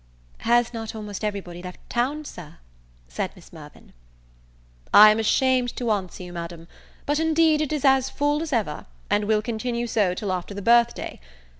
"Has not almost every body left town, Sir?" said Miss Mirvan. "I am ashamed to answer you, Madam, but indeed it is as full as ever, and will continue so till after the birth day.